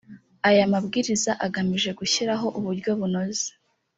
aya mabwiriza agamije gushyiraho uburyo bunoze.